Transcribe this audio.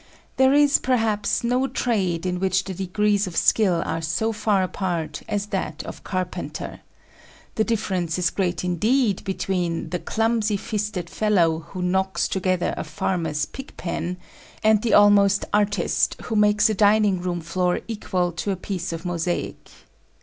There is, perhaps, no trade in which the degrees of skill are so far apart as that of carpenter. The difference is great indeed between the clumsy fisted fellow who knocks together a farmer's pig pen, and the almost artist who makes a dining room floor equal to a piece of mosaic.